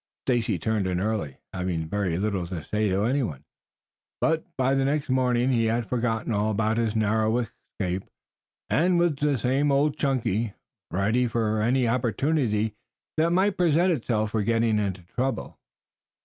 Stacy turned in early, having very little to say to any one. But by the next morning he had forgotten all about his narrow escape and was the same old Chunky, ready for any opportunity that might present itself for getting into trouble.